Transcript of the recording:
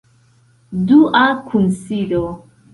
Dua kunsido.